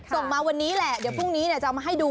ส่งมาวันนี้แหละเดี๋ยวพรุ่งนี้จะเอามาให้ดู